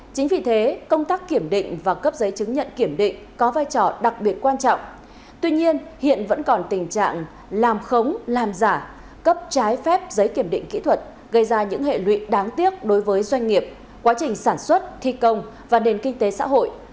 chính vì thế công tác kiểm định và cấp giấy chứng nhận kiểm định có vai trò đặc biệt quan trọng tuy nhiên hiện vẫn còn tình trạng làm khống làm giả cấp trái phép giấy kiểm định kỹ thuật gây ra những hệ lụy đáng tiếc đối với doanh nghiệp quá trình sản xuất thi công và nền kinh tế xã hội